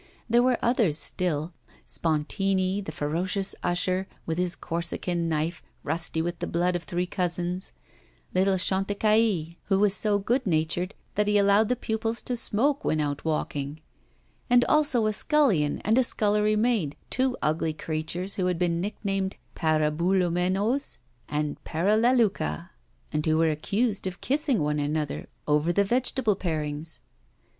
There were others still: Spontini, the ferocious usher, with his Corsican knife, rusty with the blood of three cousins; little Chantecaille, who was so good natured that he allowed the pupils to smoke when out walking; and also a scullion and a scullery maid, two ugly creatures who had been nicknamed Paraboulomenos and Paralleluca, and who were accused of kissing one another over the vegetable parings.